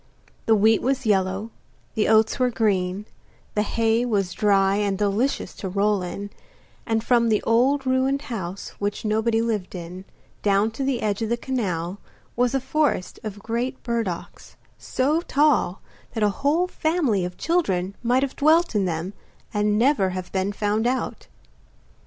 The wheat was yellow, the oats were green, the hay was dry and delicious to roll in, and from the old ruined house which nobody lived in, down to the edge of the canal, was a forest of great burdocks, so tall that a whole family of children might have dwelt in them and never have been found out.